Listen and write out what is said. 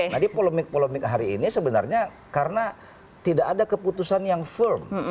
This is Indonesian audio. jadi polemik polemik hari ini sebenarnya karena tidak ada keputusan yang firm